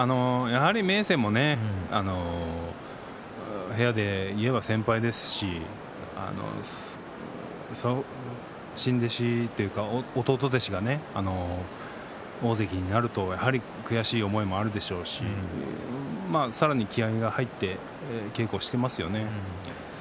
明生も部屋でいえば先輩ですし新弟子というか弟弟子が大関になると、やはり悔しい思いもあるでしょうしさらに気合いが入って稽古をしていますよね。